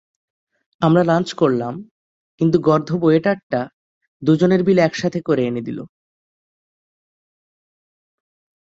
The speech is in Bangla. আমরা লাঞ্চ করলাম, কিন্তু গর্দভ ওয়েটার টা দুজনের বিল একসাথে করে এনে দিল।